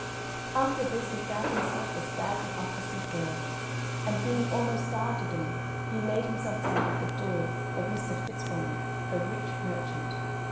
After this he found himself as badly off as before; and being almost starved again, he laid himself down at the door of Mr. Fitzwarren, a rich merchant.